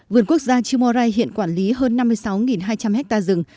vườn quốc gia chimorai hiện quản lý hơn năm mươi sáu hai trăm linh ha rừng